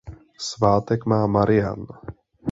Svátek má Marián.